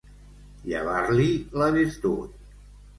Llevar-li la virtut.